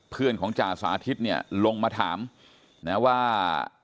เพื่อนของจ่าสาธิตเนี่ยลงมาถามนะว่า